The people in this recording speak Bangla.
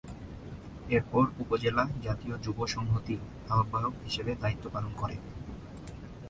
এরপর উপজেলা জাতীয় যুব সংহতির আহ্বায়ক হিসেবে দায়িত্ব পালন করে।